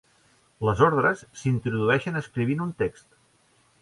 Les ordres s'introdueixen escrivint un text.